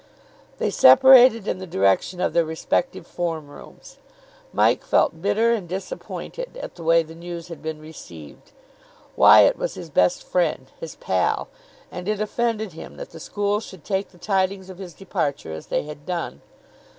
They separated in the direction of their respective form rooms. Mike felt bitter and disappointed at the way the news had been received. Wyatt was his best friend, his pal; and it offended him that the school should take the tidings of his departure as they had done.